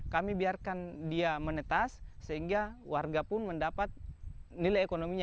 kami biarkan dia menetas sehingga warga pun mendapat nilai ekonominya